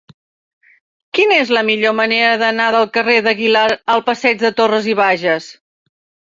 Quina és la millor manera d'anar del carrer d'Aguilar al passeig de Torras i Bages?